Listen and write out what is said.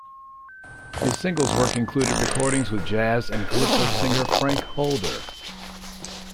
His singles work included recordings with jazz and calypso singer Frank Holder.